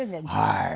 はい。